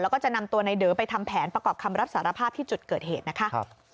แล้วก็จะนำตัวในเดอไปทำแผนประกอบคำรับสารภาพที่จุดเกิดเหตุนะคะ